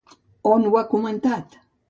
On ho ha comentat?